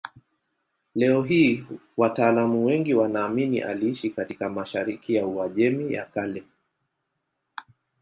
Leo hii wataalamu wengi wanaamini aliishi katika mashariki ya Uajemi ya Kale.